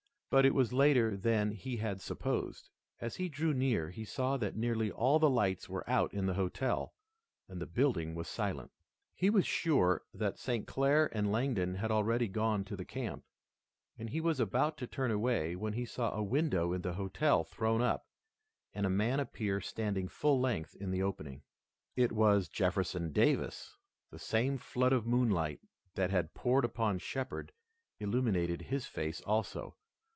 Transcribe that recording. But it was later than he had supposed. As he drew near he saw that nearly all the lights were out in the hotel, and the building was silent. He was sure that St. Clair and Langdon had already gone to the camp, and he was about to turn away when he saw a window in the hotel thrown up and a man appear standing full length in the opening. It was Jefferson Davis. The same flood of moonlight that had poured upon Shepard illuminated his face also.